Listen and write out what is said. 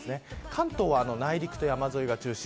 関東は内陸と山沿いが中心。